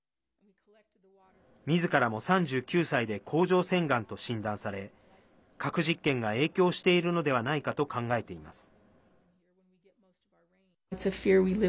みずからも３９歳で甲状腺がんと診断され核実験が影響しているのではないかと考えています。